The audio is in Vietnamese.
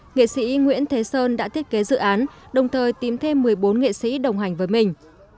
nghệ sĩ nguyễn thế sơn đã thiết kế dự án đồng thời tìm thêm một mươi bốn nghệ sĩ đồng hành với mình